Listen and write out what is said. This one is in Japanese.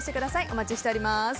お待ちしております。